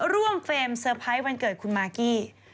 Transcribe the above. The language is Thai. เฟรมเซอร์ไพรส์วันเกิดคุณมากกี้